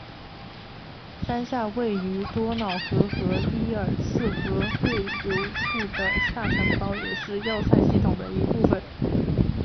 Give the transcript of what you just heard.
山下位于多瑙河和伊尔茨河汇流处的下城堡也是要塞系统的一部分。